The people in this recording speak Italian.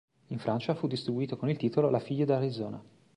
In Francia fu distribuito con il titolo "La Fille d'Arizona".